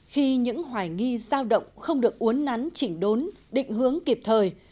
khi những hoài nghi giao động không được uốn nắn chỉnh đốn định hướng kịp thời